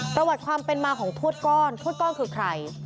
ประวัติความเป็นมาของทวดก้อนทวดก้อนคือใคร